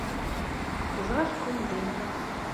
Ẓriɣ-ken din.